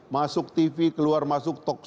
masuk tv keluar masuk toko